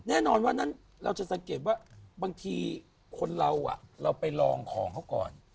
แน่นอนว่านั้นเราจะสังเกตว่าบางทีคนเราเราไปลองของเขาก่อน